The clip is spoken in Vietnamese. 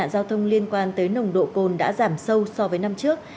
giao thông liên quan tới nồng độ cồn đã giảm sâu so với năm trước